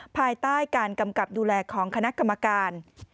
ภายใต้การกำกับดูแลของคณะกรรมการ